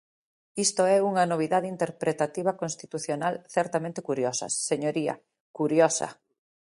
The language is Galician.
Isto é unha novidade interpretativa constitucional certamente curiosa, señoría; ¡curiosa!